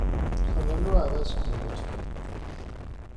کانال را عوض کن، لطفا.